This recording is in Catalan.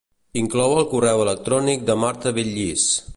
Inclou el correu electrònic de Marta Vetlliç.